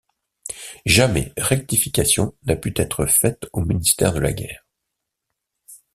Jamais rectification n’a pu être faite au ministère de la Guerre.